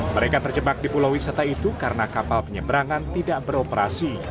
mereka terjebak di pulau wisata itu karena kapal penyeberangan tidak beroperasi